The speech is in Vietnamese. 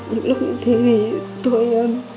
những lúc như thế thì tôi